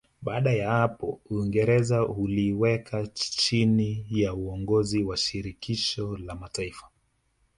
Baada ya hapo Uingereza uliiweka chini ya uongozi wa Shirikisho la Mataifa